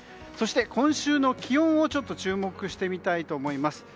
そして、今週の気温注目してみたいと思います。